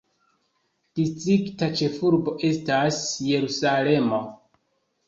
Distrikta ĉefurbo estas Jerusalemo.